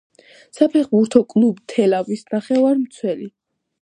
საფეხბურთო კლუბ „თელავის“ ნახევარმცველი.